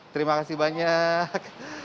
terima kasih banyak